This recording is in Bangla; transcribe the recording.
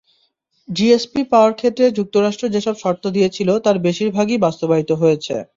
জিএসপি পাওয়ার ক্ষেত্রে যুক্তরাষ্ট্র যেসব শর্ত দিয়েছিল, তার বেশির ভাগই বাস্তবায়িত হয়েছে।